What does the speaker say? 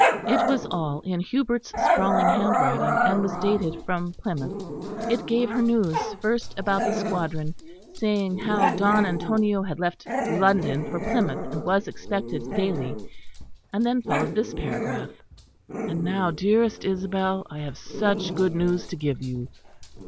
It was all in Hubert's sprawling handwriting, and was dated from Plymouth. It gave her news first about the squadron; saying how Don Antonio had left London for Plymouth, and was expected daily; and then followed this paragraph: "And now, dearest Isabel, I have such good news to give you.